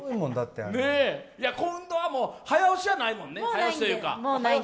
今度は早押しじゃないもんね。